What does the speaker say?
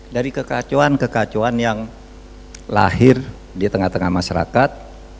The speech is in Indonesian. dari kekacauan kekacauan yang lahir di tengah tengah masyarakat